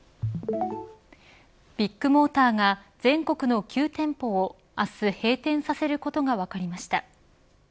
ビッグモーターが全国の９店舗をあす閉店させることが分かりました。